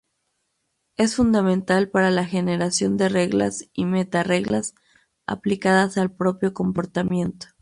Es fundamental para la generación de reglas y meta-reglas aplicadas al propio comportamiento.